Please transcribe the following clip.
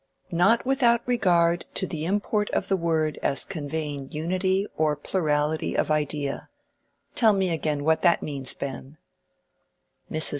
"'Not without regard to the import of the word as conveying unity or plurality of idea'—tell me again what that means, Ben."